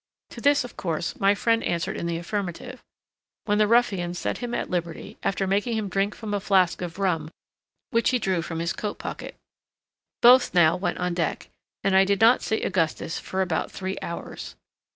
To this, of course, my friend answered in the affirmative, when the ruffian set him at liberty, after making him drink from a flask of rum which he drew from his coat pocket. Both now went on deck, and I did not see Augustus for about three hours.